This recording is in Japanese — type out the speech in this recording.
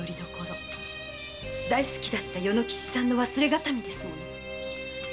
大好きだった与之吉さんの忘れ形見ですもの。